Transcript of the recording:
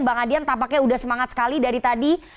bang adian tampaknya sudah semangat sekali dari tadi